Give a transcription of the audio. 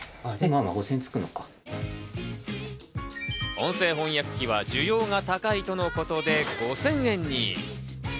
音声翻訳機は需要が高いとのことで５０００円に。